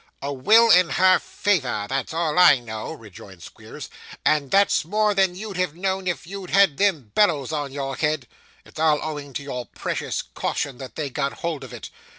'A will in her favour; that's all I know,' rejoined Squeers, 'and that's more than you'd have known, if you'd had them bellows on your head. It's all owing to your precious caution that they got hold of it.